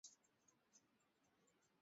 Ni mara ya kwanza wameishi nje ya nyumba